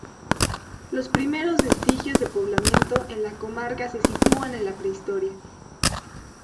Los primeros vestigios de poblamiento en la comarca se sitúan en la Prehistoria.